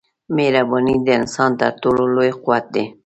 مهرباني د انسان تر ټولو لوی قوت دی.